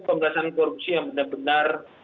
pemberantasan korupsi yang benar benar